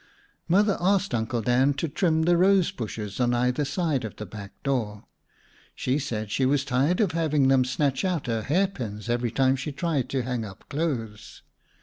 Mother asked Uncle Dan to trim the rose bushes on either side of the back door. She said she was tired of having them snatch out her hairpins every time she tried to hang up clothes.